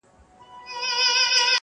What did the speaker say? ه ستا د غزل سور له تورو غرو را اوړي.